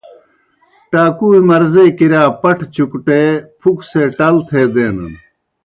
ٹاکُوئے مرضے کِرِیا پٹھہ چُکٹے پُھکو سے ٹل تھےدینَن۔